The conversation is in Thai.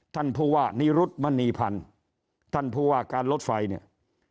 ท่านภูวะนิรุฑมณีพันธ์ท่านภูวะการลดไฟเนี่ย